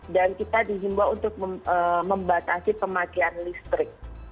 dan kita dihimbau untuk membatasi pemakaian listrik